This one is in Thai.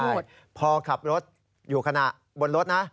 ใช่พอขับรถอยู่ขณะบนรถนะ